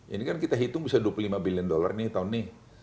ini kan kita hitung bisa dua puluh lima billion dollar nih tahun nih